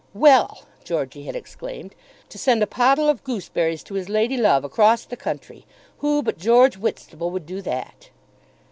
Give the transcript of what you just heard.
"Well!" Georgey had exclaimed, "to send a pottle of gooseberries to his lady love across the country! Who but George Whitstable would do that?"